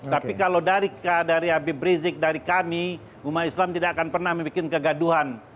tapi kalau dari habib rizik dari kami umat islam tidak akan pernah membuat kegaduhan